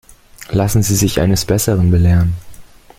Lassen Sie sich eines Besseren belehren.